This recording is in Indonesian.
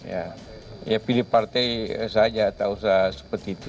ya pilih partai saja tak usah seperti itu